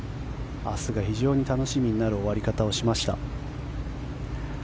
明日が非常に楽しみになる終わり方をしました。